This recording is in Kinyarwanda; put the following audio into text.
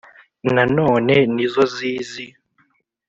na none ni zo zizi,